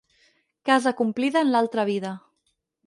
Casa complida, en l'altra vida.